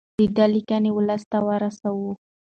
د ده لیکنې ولس ته ورسوو.